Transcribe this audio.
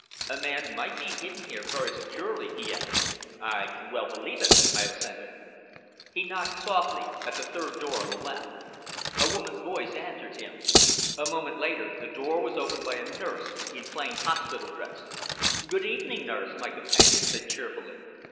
"A man might be hidden here very securely," he added. "I can well believe it," I assented. He knocked softly at the third door on the left. A woman's voice answered him. A moment later, the door was opened by a nurse in plain hospital dress. "Good evening, nurse!" my companion said cheerfully.